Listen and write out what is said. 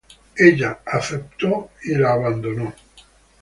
Ella aceptó y la abandonó.